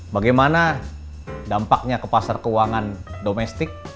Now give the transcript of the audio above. bagaimana dampaknya ke pasar keuangan domestik